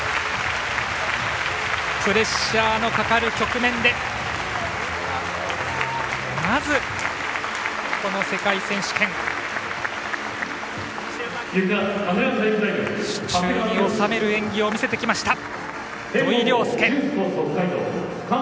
プレッシャーのかかる局面でまず世界選手権手中に収める演技を見せてきました。